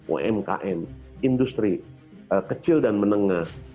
umkm industri kecil dan menengah